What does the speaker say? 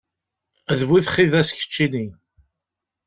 D bu txidas, keččini!